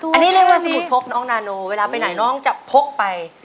ไม่ว่าสมุดพกน้องนาโนเวลาไปไหนน้องจะพกไป